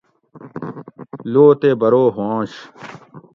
لو تے برو بواںش